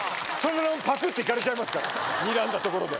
パクっといかれちゃいますからにらんだところで。